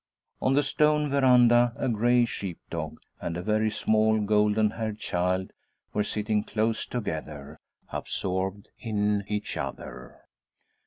On the stone verandah a gray sheep dog and a very small golden haired child were sitting close together, absorbed in each other.